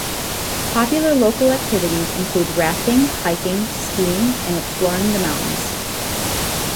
Popular local activities include rafting, hiking, skiing and exploring the mountains.